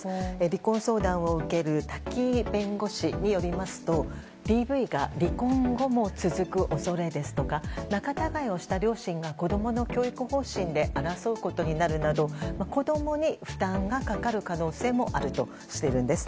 離婚相談を受ける瀧井弁護士によりますとＤＶが離婚後も続く恐れですとか仲たがいをした両親が子供の教育方針で争うことになるなど子供に負担がかかる可能性もあるとしているんです。